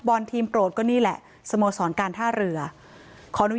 แต่มันถือปืนมันไม่รู้นะแต่ตอนหลังมันจะยิงอะไรหรือเปล่าเราก็ไม่รู้นะ